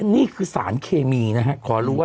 นี่คือสารเคมีนะครับ